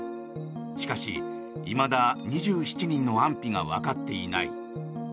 しかし、いまだ２７人の安否がわかっていない。